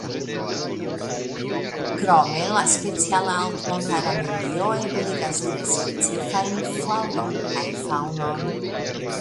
Krome la speciala altmontara medio ebligas tre specifajn flaŭron kaj faŭnon.